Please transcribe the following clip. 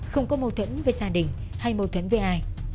không có mâu thuẫn với gia đình hay mâu thuẫn với ai